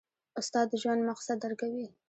استاد د ژوند مقصد درکوي.